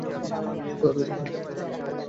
তারা লিখেছে, আমরা মনে করি এই কাজটি সঠিক।